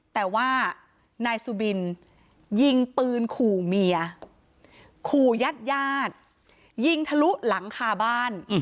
แต่ว่านายสุบินยิงปืนขู่เมียขู่ญาติญาติยิงทะลุหลังคาบ้าน